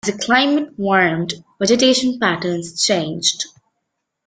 As the climate warmed, vegetation patterns changed.